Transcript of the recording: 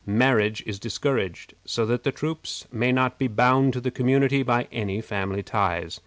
Marriage is discouraged, so that the troops may not be bound to the community by any family ties.